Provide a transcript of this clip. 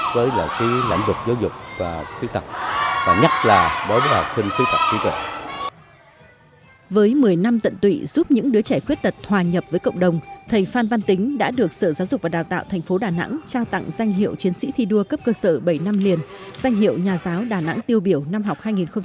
với một mươi năm tận tụy giúp những đứa trẻ khuyết tật hòa nhập với cộng đồng thầy phan văn tính đã được sở giáo dục và đào tạo thành phố đà nẵng trao tặng danh hiệu chiến sĩ thi đua cấp cơ sở bảy năm liền danh hiệu nhà giáo đà nẵng tiêu biểu năm học hai nghìn một mươi hai nghìn hai mươi